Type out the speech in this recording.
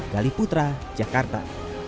gali putra jakarta